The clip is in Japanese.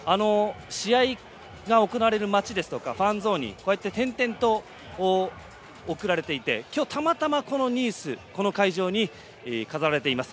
試合が行われる街ですとかファンゾーンにこうやって点々と贈られていて今日、たまたま、このニースこの会場に飾られています。